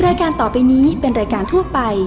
รายการต่อไปนี้เป็นรายการทั่วไป